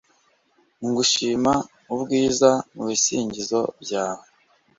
Ngushima ubwiza mubisingizo byawe